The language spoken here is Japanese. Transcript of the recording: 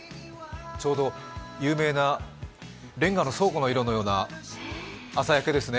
ちょうど有名なレンガの倉庫の色のような朝焼けですね。